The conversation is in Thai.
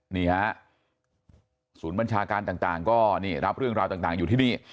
นี่ฮะศูนย์บัญชาการต่างก็นี่รับเรื่องราวต่างอยู่ที่นี่